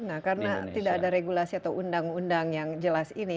nah karena tidak ada regulasi atau undang undang yang jelas ini